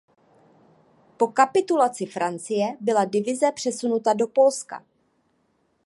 Po kapitulaci Francie byla divize přesunuta do Polska.